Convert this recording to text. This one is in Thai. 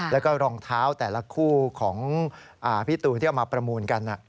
แล้วก็รองเท้าแต่ละคู่ของพี่ตูนที่เอามาประมูลกัน